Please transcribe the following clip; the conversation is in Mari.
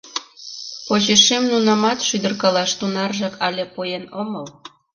— Почешем нунымат шӱдыркалаш тунаржак але поен омыл.